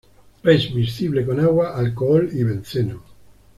Es miscible con agua, alcohol y benceno.